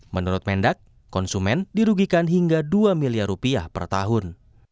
menurut mendak konsumen dirugikan hingga dua miliar rupiah per tahun